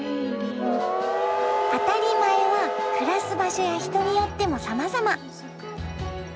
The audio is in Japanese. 当たり前は暮らす場所や人によってもさまざま。